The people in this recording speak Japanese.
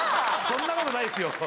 そんなことないっすよ